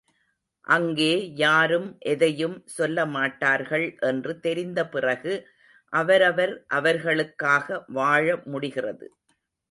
அங்கே யாரும் எதையும் சொல்லமாட்டார்கள் என்று தெரிந்த பிறகு அவரவர் அவர்களுக்காக வாழ முடிகிறது.